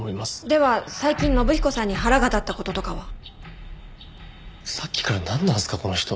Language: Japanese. では最近信彦さんに腹が立った事とかは？さっきからなんなんすか？この人。